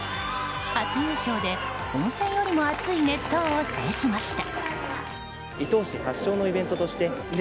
初優勝で温泉よりも熱い熱闘を制しました。